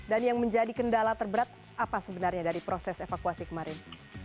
dan yang menjadi kendala terberat apa sebenarnya dari proses evakuasi kemarin